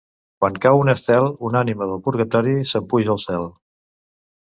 Quan cau un estel una ànima del purgatori se'n puja al cel.